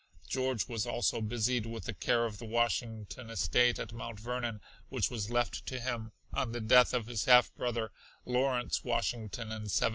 George was also busied with the care of the Washington estate at Mount Vernon, which was left to him on the death of his half brother, Lawrence Washington in 1752.